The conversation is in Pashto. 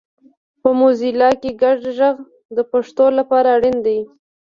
په موزیلا کې ګډ غږ د پښتو لپاره اړین دی